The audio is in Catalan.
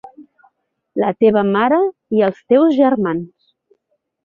La teva mare i els teus germans.